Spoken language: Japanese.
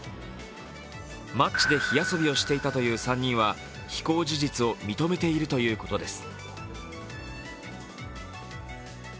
マッチで火遊びをしていたという３人は非行事実を認めているということです。